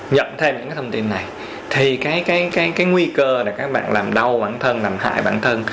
nhận thêm những cái thông tin này thì cái nguy cơ là các bạn làm đau bản thân làm hại bản thân